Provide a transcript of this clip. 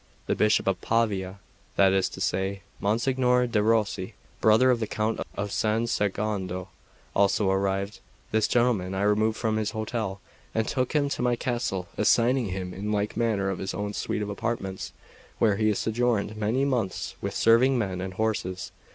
The Bishop of Pavia, that is to say, Monsignore de' Rossi, brother of the Count of San Secondo, also arrived. This gentleman I removed from his hotel, and took him to my castle, assigning him in like manner his own suite of apartments, where he sojourned many months with serving men and horses.